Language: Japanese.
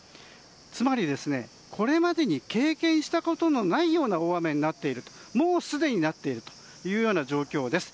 つまり、これまでに経験したことのないような大雨にもうすでになっているという状況です。